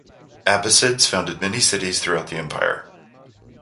Abbasids founded many cities throughout the Empire.